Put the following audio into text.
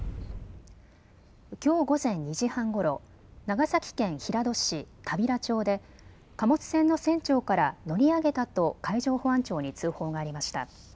きょう午前２時半ごろ長崎県平戸市田平町で貨物船の船長から乗り上げたと海上保安庁に通報がありました。